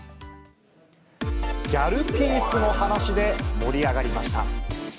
ギャルピースの話で盛り上がりました。